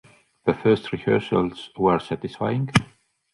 The first rehearsals were satisfying.